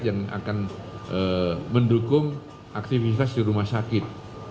yang akan mendukung aktivitas di rumah sakit